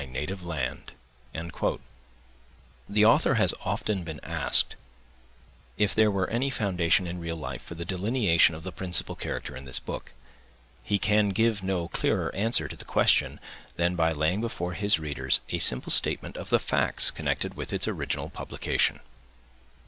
AUTHOR'S INTRODUCTION The author has often been asked if there were any foundation in real life for the delineation of the principal character in this book. He can give no clearer answer to the question than by laying before his readers a simple statement of the facts connected with its original publication.